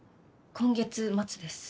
今月末です。